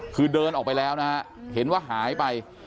คือเดินออกไปแล้วนะฮะเห็นว่าหายไป